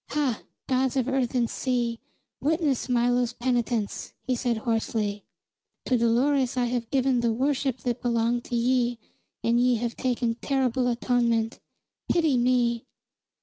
"Hah, gods of earth and sea, witness Milo's penitence!" he said hoarsely. "To Dolores I have given the worship that belonged to ye and ye have taken terrible atonement. Pity me!"